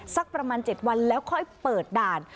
สักประมาณ๗วันแล้วค่อยเปิดด่าน